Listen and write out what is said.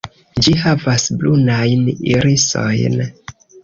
Ĝi havas brunajn irisojn.